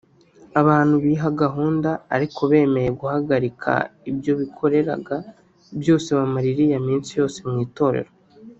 abantu biha gahunda ariko bemeye guhagarika ibyo bikoreraga byose bamara iriya minsi yose mu itorero